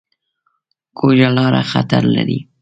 کوږه لاره خطر لري